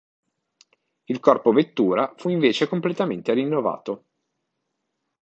Il corpo vettura fu invece completamente rinnovato.